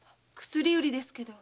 薬売りですけど。